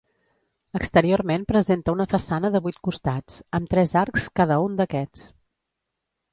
Exteriorment presenta una façana de vuit costats, amb tres arcs cada un d'aquests.